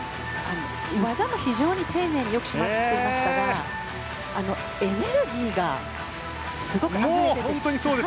技も非常に丁寧によく締まっていましたがエネルギーがすごくあふれてて。